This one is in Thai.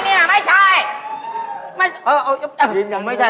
ไม่เออเออไม่ใช่ครับผมไม่ใช่เจ๊แต๋วครับยินยังไม่ใช่